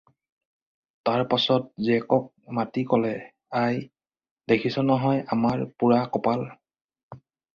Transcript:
তাৰ পাচত জীয়েকক মাতি ক'লে- "আই! দেখিছ নহয় আমাৰ পোৰা কপাল।"